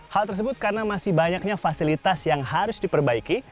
hal tersebut karena masih banyaknya fasilitas yang harus diperbaiki